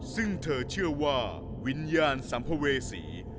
ซึ่งเธอเชื่อว่าวิญญาณสัมภเวษี